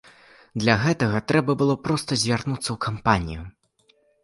Для гэтага трэба было проста звярнуцца ў кампанію.